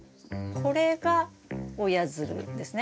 これが親づるですね。